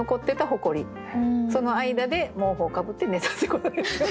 その間で毛布をかぶって寝たってことですよね。